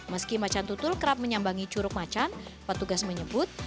meski macan tutul kerap menyambangi curug macan petugas menyebut